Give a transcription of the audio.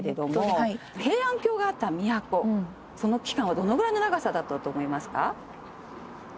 どのぐらいの長さだったと思いますか？